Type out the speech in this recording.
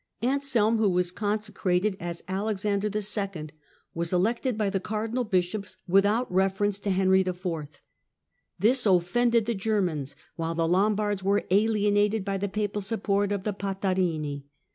Anselm, who was conse crated as Alexander II., was elected by the cardinal bishops without reference to Henry IV. This offended the Germans, while the Lombards were alienated by the papal support of the Patarini.